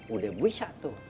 udah bisa tuh